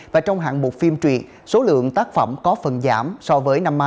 và trong hạng bộ phim truyện số lượng tác phẩm có phần giảm so với năm ngoái